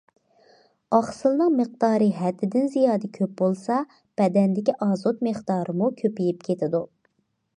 ئاقسىلنىڭ مىقدارى ھەددىدىن زىيادە كۆپ بولسا، بەدەندىكى ئازوت مىقدارىمۇ كۆپىيىپ كېتىدۇ.